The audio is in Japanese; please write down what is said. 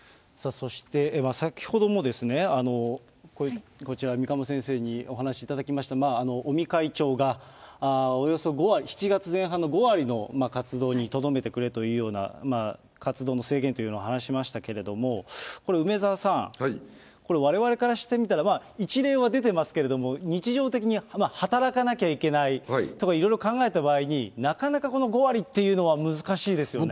そして、先ほどもですね、こちら、三鴨先生にお話しいただきました、尾身会長がおよそ５割、７月前半の５割の活動にとどめてくれというような、活動の制限というのを話しましたけれども、これ、梅沢さん、これ、われわれからしてみたら、一例は出てますけれども、日常的に働かなきゃいけないとかいろいろ考えた場合に、なかなかこの５割っていうのは難しいですよね。